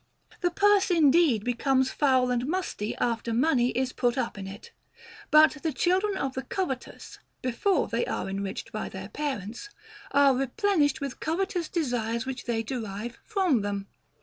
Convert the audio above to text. The purse indeed becomes foul and musty after money is put up in it ; but the children of the covet ous, before they are enriched by their parents, are replen ished with covetous desires which they derive from them.